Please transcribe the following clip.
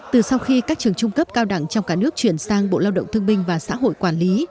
từ sau khi các trường trung cấp cao đẳng trong cả nước chuyển sang bộ lao động thương binh và xã hội quản lý